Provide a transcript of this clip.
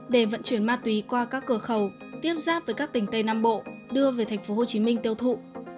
để vận chuyển ma túy qua các cửa khẩu tiếp giáp với các tỉnh tây nam bộ đưa về tp hcm tiêu thụ